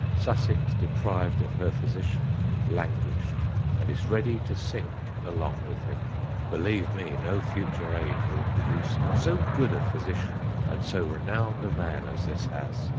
Sussex deprived of her physician, languished, and is ready to sink along with him. Believe me, no future age will produce so good a physician and so renowned a man as this has.